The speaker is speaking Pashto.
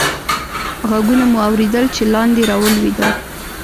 ږغونه مو اورېدل، چې لاندې رالوېدل.